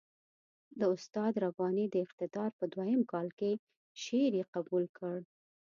د استاد رباني د اقتدار په دویم کال کې شعر یې قبول کړ.